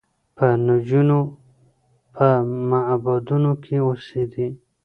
به نجونې په معبدونو کې اوسېدې